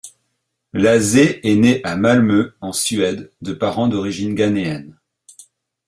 Lazee est née à Malmö, en Suède, de parents d'origine ghanéenne.